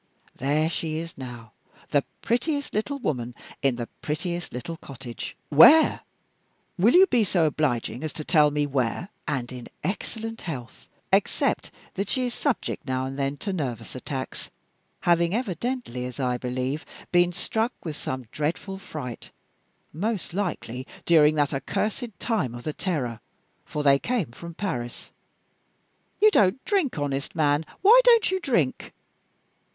There she is now, the prettiest little woman in the prettiest little cottage " "Where? Will you be so obliging as to tell me where?" "And in excellent health, except that she is subject now and then to nervous attacks; having evidently, as I believe, been struck with some dreadful fright most likely during that accursed time of the Terror; for they came from Paris you don't drink, honest man! Why don't you drink?